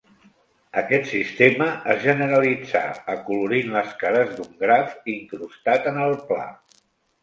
Aquest sistema es generalitzà acolorint les cares d'un graf incrustat en el pla.